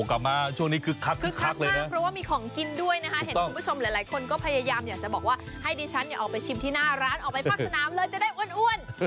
อันนี้ช่วงนี้คึกคัดมากเพราะมีของกินด้วยหลายคนก็พยายามจะบอกว่าให้ดิฉันออกไปชิมที่หน้าร้านออกไปบ้างซะน้ำเลยจะได้อ้วน